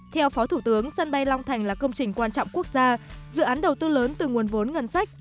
theo phó thủ tướng sân bay long thành là công trình quan trọng quốc gia dự án đầu tư lớn từ nguồn vốn ngân sách